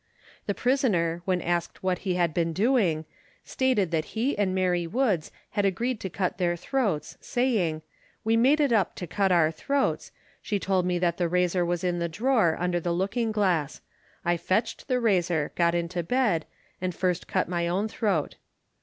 The prisoner, when asked what he had been doing, stated that he and Mary Woods had agreed to cut their throats, saying, "We made it up to cut our throats, She told me that the razor was in the drawer, under the looking glass. I fetched the razor, got into bed, and first cut my own throat."